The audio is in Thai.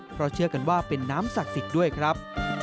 เพราะเชื่อกันว่าเป็นน้ำศักดิ์สิทธิ์ด้วยครับ